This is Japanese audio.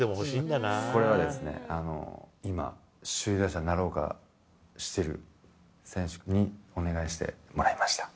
これはですね、今、首位打者になろうかとしている選手にお願いしてもらいました。